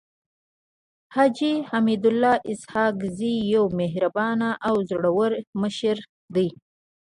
حاجي حميدالله اسحق زی يو مهربانه او زړور مشر دی.